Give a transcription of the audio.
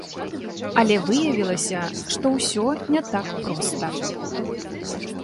Але выявілася, што ўсё не так проста.